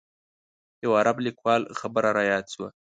یو عرب لیکوال خبره رایاده شوه.